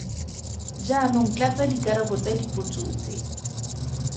Jaanong tlatsa dikarabo tsa dipotso tse.